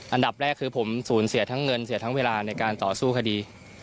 อันดับแรกคือผมสูญเสียทั้งเงินเสียทั้งเวลาในการต่อสู้คดี